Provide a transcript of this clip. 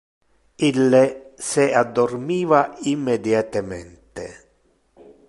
Ille se addormiva immediatemente.